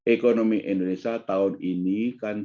ekonomi indonesia tahun ini kan